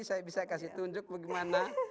saya bisa kasih tunjuk bagaimana